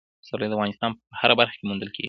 پسرلی د افغانستان په هره برخه کې موندل کېږي.